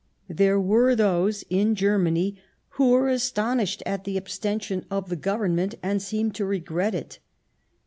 There were those in 183'' Bismarck Germany who were astonished at the abstention of the Government, and seemed to regret it.